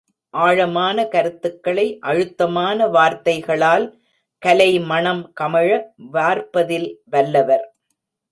ஆழமான கருத்துக்களை அழுத்தமான வார்த்தைகளால் கலைமணம் கமழ வார்ப்பதில் வல்லவர்.